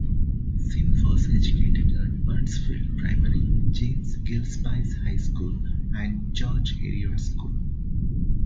Sim was educated at Bruntsfield Primary, James Gillespie's High School and George Heriot's School.